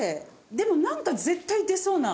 でもなんか絶対出そうな。